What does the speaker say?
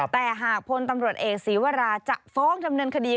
แต่หากพลตำรวจเอกศีวราจะฟ้องจำเนินคดี